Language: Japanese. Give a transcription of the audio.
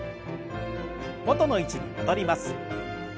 元の位置に戻ります。